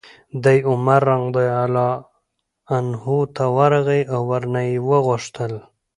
دی عمر رضي الله عنه ته ورغی او ورنه ویې غوښتل